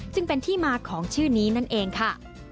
จึงเป็นที่มาของชื่อนี้นั่นเองค่ะ